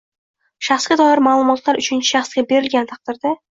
Shaxsga doir ma’lumotlar uchinchi shaxsga berilgan taqdirda